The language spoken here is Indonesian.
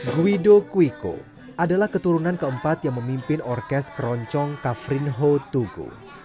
gwido kuiko adalah keturunan keempat yang memimpin orkes keroncong kafrin ho tugu